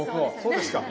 そうですか。